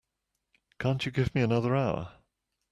Can't you give me another hour?